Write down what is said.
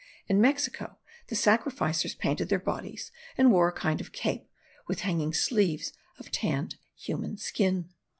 In Mexico the sacrificers painted their bodies and wore a kind of cape, with hanging sleeves of tanned human skin.